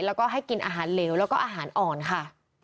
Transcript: แล้วก็ให้กินอาหารเหลวแล้วก็อาหารอ่อนค่ะ